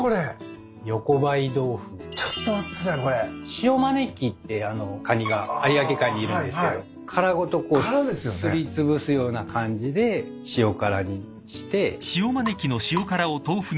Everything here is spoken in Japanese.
シオマネキってカニが有明海にいるんですけど殻ごとすりつぶすような感じで塩辛にして。